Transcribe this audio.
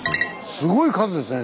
すごい数ですね